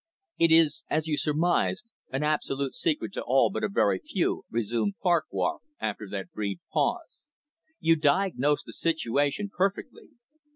"It is, as you surmised, an absolute secret to all but a very few," resumed Farquhar, after that brief pause. "You diagnosed the situation perfectly.